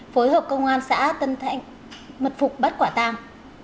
phối hợp công an xã tân thạnh mật phục bắt quả tang